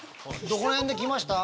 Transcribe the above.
どこらへんで来ました？